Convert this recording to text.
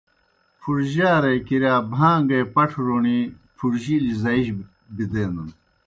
پُھڙجیارے کِرِیا بھان٘گے پٹھہ روݨی پُھڙِجلیْ زائیجیْ بدینَن۔